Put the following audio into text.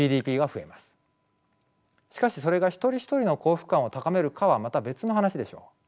しかしそれが一人一人の幸福感を高めるかはまた別の話でしょう。